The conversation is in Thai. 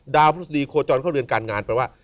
ดาวพุทธฤษฎีโคจรเข้าเรือนการงานไปว่า